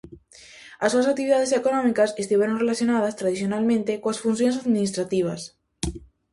As súas actividades económicas estiveron relacionadas tradicionalmente coas funcións administrativas.